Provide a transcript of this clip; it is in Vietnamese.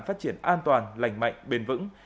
phát triển an toàn lành mạnh bền vững